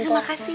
terima kasih ya